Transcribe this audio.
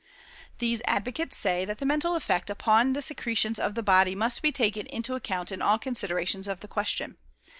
These advocates say that the MENTAL EFFECT upon the secretions of the body must be taken into account in all considerations of the question.